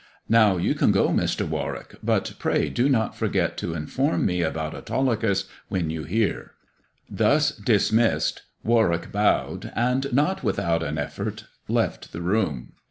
Now you can go, Mr. Warwick, but pray do not forget to inform me about Autolycus when you hear." Thus dismissed, Warwick bowed and, not without an effort, left the room.